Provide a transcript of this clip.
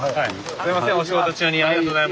すいません。